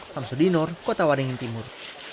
samsudinur kota waringin timur